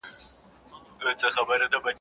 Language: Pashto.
سر چي د شال وړ وي د کشميره ور ته راځي.